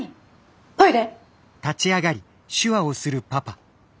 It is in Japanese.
トイレ？